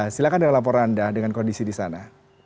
silahkan dengan laporan anda dengan kondisi di sana